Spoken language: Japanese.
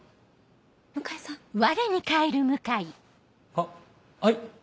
あっはい？